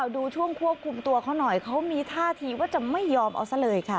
ดูช่วงควบคุมตัวเขาหน่อยเขามีท่าทีว่าจะไม่ยอมเอาซะเลยค่ะ